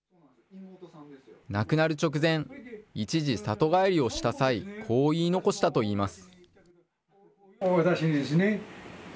亡くなる直前、一時、里帰りをした際、こう言い残したといいます。